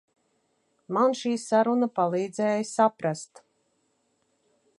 Man šī saruna palīdzēja saprast.